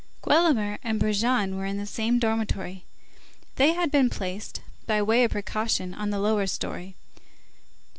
Guelemer and Brujon were in the same dormitory. They had been placed, by way of precaution, on the lower story.